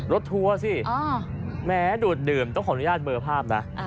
ทัวร์สิแม้ดูดดื่มต้องขออนุญาตเบอร์ภาพนะ